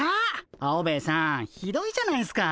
アオベエさんひどいじゃないっすか。